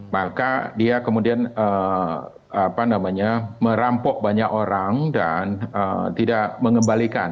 maka dia kemudian merampok banyak orang dan tidak mengembalikan